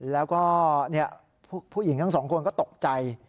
แล้วก็ผู้หญิงทั้งสองคนก็ตกใจ